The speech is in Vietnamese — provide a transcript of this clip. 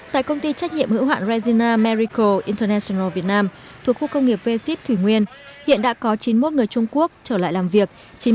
tại công ty trách nhiệm hữu hạn regina marico international việt nam thuộc khu công nghiệp v ship thủy nguyên hiện đã có chín mươi một người trung quốc trở lại làm việc